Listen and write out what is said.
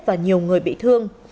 và nhiều người bị thương